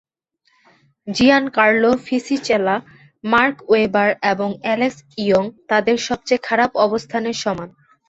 Giancarlo Fisichella, Mark Webber এবং Alex Yoong তাদের সবচেয়ে খারাপ অবস্থানের সমান।